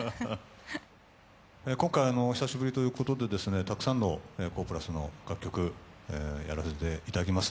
今回、久しぶりということでたくさんのＫＯＨ＋の楽曲やらせていただきます。